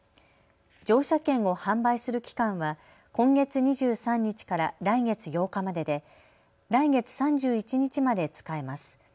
乗車券を販売する期間は今月２３日から来月８日までで来月３１日まで使えます。